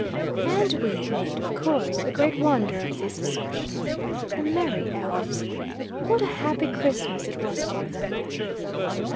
And we, made, of course, a great wonder of this assertion. The merry elves! What a happy Christmas it was for them.